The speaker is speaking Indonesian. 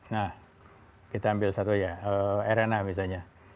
nah kita ambil satu ya arena misalnya